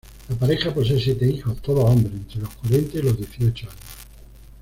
La pareja posee siete hijos, todos hombres, entre los cuarenta y los dieciocho años.